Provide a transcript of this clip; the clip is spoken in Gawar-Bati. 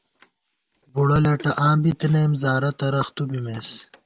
بُڑہ لَٹہ آں بِتَنَئیم ، زارہ ترَخ تُو بِمېس